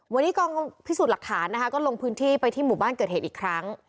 วันนี้กองพิสูจน์หลักฐานนะคะก็ลงพื้นที่ไปที่หมู่บ้านเกิดเหตุอีกครั้ง